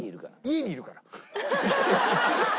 家にいるから。